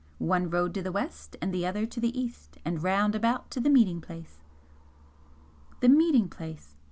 One road to the West, and the other to the East, and round about to the meeting place!" The meeting place!